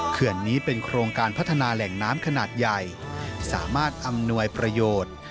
เขื่อนนี้เป็นโครงการพัฒนาแหล่งน้ำขนาดใหญ่สามารถอำนวยประโยชน์